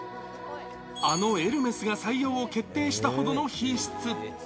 あのエルメスが採用を決定したほどの品質。